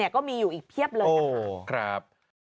ก็มีอยู่อีกเพียบเลยนะคะ